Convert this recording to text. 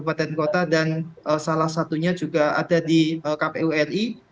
kabupaten kota dan salah satunya juga ada di kpu ri